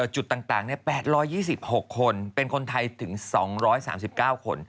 จุดต่าง๘๒๖คนเป็นคนไทยถึง๒๓๙คน